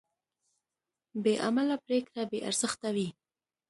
بېعمله پرېکړه بېارزښته وي.